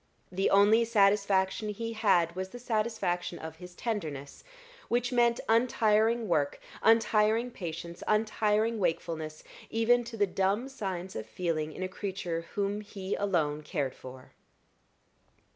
The only satisfaction he had was the satisfaction of his tenderness which meant untiring work, untiring patience, untiring wakefulness even to the dumb signs of feeling in a creature whom he alone cared for.